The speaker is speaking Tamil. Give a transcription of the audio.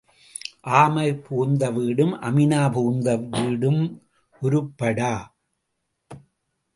ஆமை புகுந்த வீடும் அமீனா புகுந்த விடும் உருப்படா.